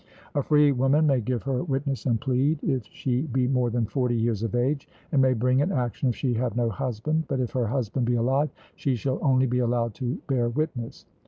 A free woman may give her witness and plead, if she be more than forty years of age, and may bring an action if she have no husband; but if her husband be alive she shall only be allowed to bear witness.